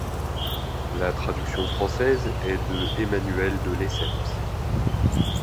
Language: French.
La traduction française est de Emmanuelle de Lesseps.